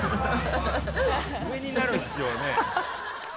上になる必要はね。